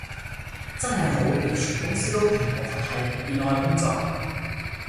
真係好，你全公司都平和佛系熱愛工作